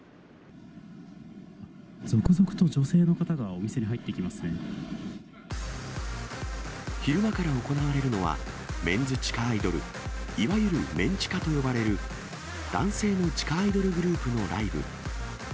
続々と女性の方がお店に入っ昼間から行われるのは、メンズ地下アイドル、いわゆるメン地下と呼ばれる男性の地下アイドルグループのライブ。